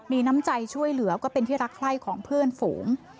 มีน้ำใจช่วยเหลือก็เป็นที่รักไข้ของเพื่อนฝูง